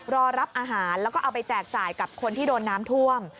รอรับอาหารแล้วก็เอาไปแจกจ่ายกับคนที่โดนน้ำท่วม